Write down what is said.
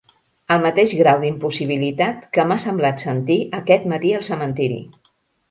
El mateix grau d'impossibilitat que m'ha semblat sentir aquest matí al cementiri.